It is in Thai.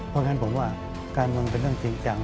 เพราะฉะนั้นผมว่าการเมืองเป็นเรื่องจริงจัง